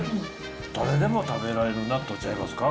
誰でも食べられる納豆ちゃいますか。